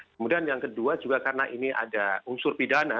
kemudian yang kedua juga karena ini ada unsur pidana